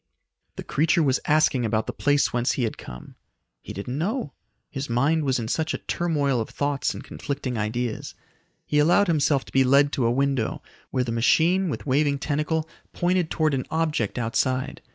The creature was asking about the place whence he had come. He didn't know; his mind was in such a turmoil of thoughts and conflicting ideas. He allowed himself to be led to a window where the machine with waving tentacle pointed towards an object outside.